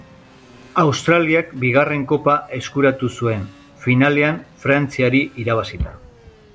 Australiak bigarren Kopa eskuratu zuen, finalean Frantziari irabazita.